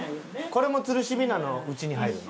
これも吊るし雛のうちに入るの？